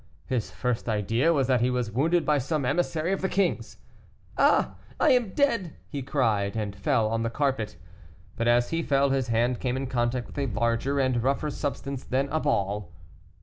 His first idea was that he was wounded by some emissary of the king's. "Ah! I am dead!" he cried, and fell on the carpet. But as he fell his hand came in contact with a larger and rougher substance than a ball.